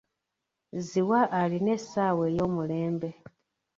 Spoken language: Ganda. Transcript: Ziwa alina essaawa ey'omulembe.